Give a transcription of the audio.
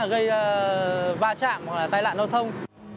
gây va chạm hoặc tai nạn nâu thông